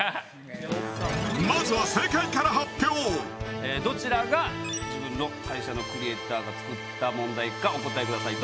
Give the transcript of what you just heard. まずはどちらが自分の会社のクリエイターが作った問題かお答えください。